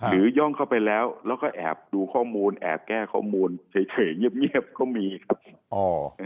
ย่องเข้าไปแล้วแล้วก็แอบดูข้อมูลแอบแก้ข้อมูลเฉยเงียบก็มีครับ